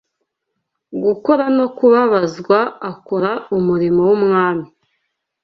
gukora no kubabazwa akora umurimo w’Umwami